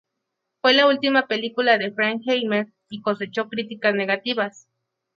Fue la última película de Frankenheimer y cosechó críticas negativas.